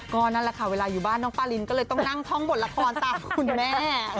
ก็นั่นแหละค่ะเวลาอยู่บ้านน้องปารินก็เลยต้องนั่งท่องบทละครตามคุณแม่